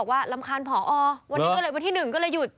วันนี้วันที่หนึ่งหอยออก